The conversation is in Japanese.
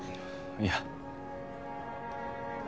いや。